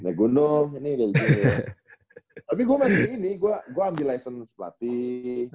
naik gunung ini udah ije tapi gue masih ini gue ambil license pelatih